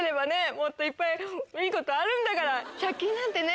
もっといっぱいいいことあるんだから借金なんてね